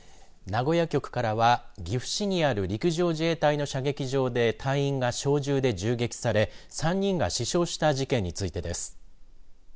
名古屋局からは岐阜市にある陸上自衛隊の射撃場で隊員が小銃で銃撃され３人が死傷した事件についてです。